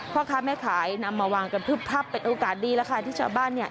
พ่อค้าแม่ขายนำมาวางกันพึบพับเป็นโอกาสดีแล้วค่ะที่ชาวบ้านเนี่ย